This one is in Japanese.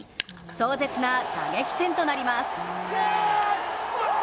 壮絶な打撃戦となります。